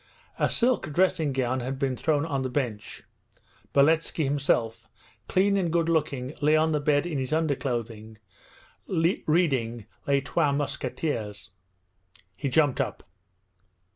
A silk dressing gown had been thrown on the bench. Beletski himself, clean and good looking, lay on the bed in his underclothing, reading Les Trois Mousquetaires. He jumped up.